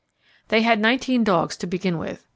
They had nineteen dogs to begin with.